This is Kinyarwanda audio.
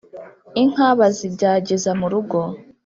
Inka bazibyagiza mu rugo